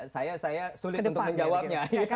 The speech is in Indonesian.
saya sulit untuk menjawabnya